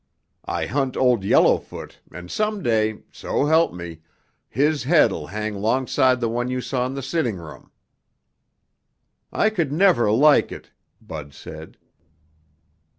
I hunt Old Yellowfoot and some day, so help me, his head'll hang 'longside the one you saw in the sitting room." "I could never like it!" Bud said.